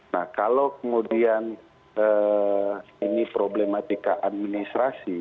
nah kalau kemudian ini problematika administrasi